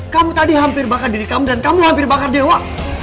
kamu tadi hampir bakar diri kamu dan kamu hampir bakar dewa